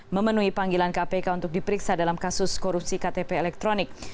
memenuhi panggilan kpk untuk diperiksa dalam kasus korupsi ktp elektronik